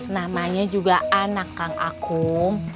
namanya juga anak kak he'akum